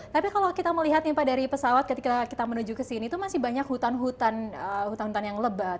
tapi kalau kita melihat nih pak dari pesawat ketika kita menuju ke sini itu masih banyak hutan hutan yang lebat